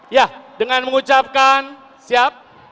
iya dengan mengucapkan siap